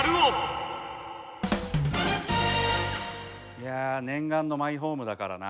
いや念願のマイホームだからな。